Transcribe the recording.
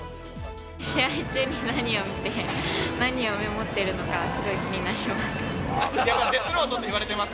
試合中に何を見て、何をメモってるのか、すごい気になります。